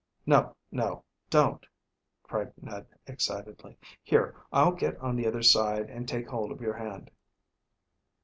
"No, no, don't," cried Ned excitedly. "Here, I'll get on the other side, and take hold of your hand."